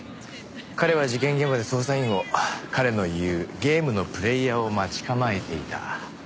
彼は事件現場で捜査員を彼の言うゲームのプレーヤーを待ち構えていた。